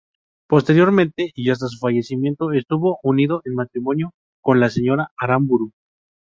Posteriormente y hasta su fallecimiento estuvo unido en matrimonio con la señora Aramburu.